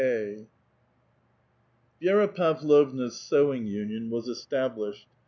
IV. ViERA Pavlovna's scwing union was established.